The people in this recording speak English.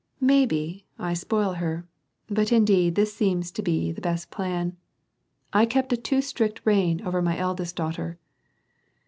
Maybe, I spoil her, but indeed this seems to be the best plan. I kept a toowstrict rein over my eldest daughter."